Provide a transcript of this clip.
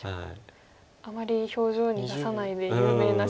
あまり表情に出さないで有名な芝野さんが。